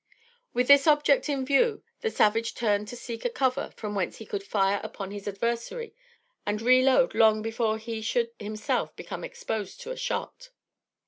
With this object in view, the savage turned to seek a cover from whence he could fire upon his adversary and reload long before he should himself become exposed to a shot.